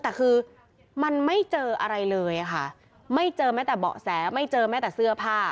แต่คือมันไม่เจออะไรเลยค่ะไม่เจอแม้แต่เบาะแสไม่เจอแม้แต่เสื้อผ้า